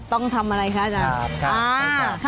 ต้องทำอะไรคะอาจารย์ค่ะขอบคุณค่ะขอบคุณค่ะ